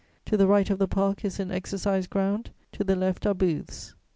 To the right of the Park is an exercise ground; to the left are booths.